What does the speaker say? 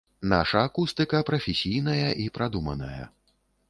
Наша акустыка прафесійная і прадуманая.